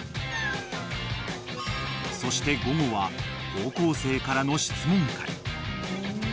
［そして午後は高校生からの質問会］